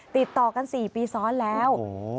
ติดต่อกัน๔ปีซ้อนแล้ว